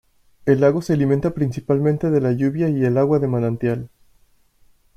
El lago se alimenta principalmente de la lluvia y el agua de manantial.